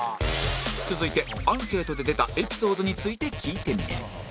続いてアンケートで出たエピソードについて聞いてみる